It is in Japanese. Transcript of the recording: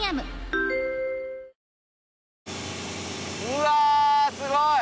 うわすごい！